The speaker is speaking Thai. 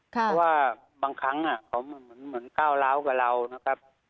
เพราะว่าบางครั้งเขาเหมือนก้าวร้าวกับเรานะครับ